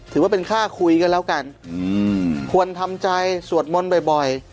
ถือว่าเป็นค่าคุยกันแล้วกันควรทำใจสวดมนต์บ่อย